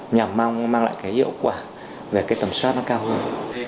nhằm mang lại hiệu quả về tầm soát cao hơn